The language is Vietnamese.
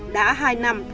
đã hai năm